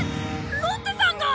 ロッテさんが！？